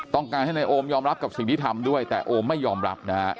ต้องการให้นายโอมยอมรับกับสิ่งที่ทำด้วยแต่โอมไม่ยอมรับนะฮะ